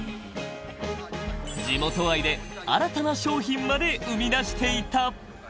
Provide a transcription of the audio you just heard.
地元愛で新たな商品まで生み出していた。